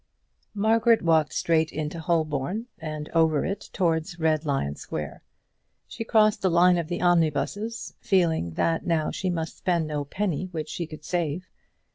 Margaret walked straight into Holborn, and over it towards Red Lion Square. She crossed the line of the omnibuses, feeling that now she must spend no penny which she could save.